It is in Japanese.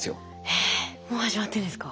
えもう始まってるんですか？